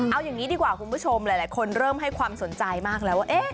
เอาอย่างนี้ดีกว่าคุณผู้ชมหลายคนเริ่มให้ความสนใจมากแล้วว่า